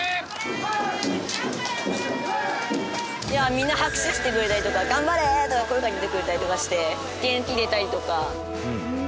みんな拍手してくれたりとか「頑張れ！」とか声掛けてくれたりとかして元気出たりとか。